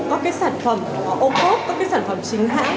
có các sản phẩm ô cốt có các sản phẩm chính hãng